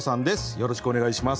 よろしくお願いします。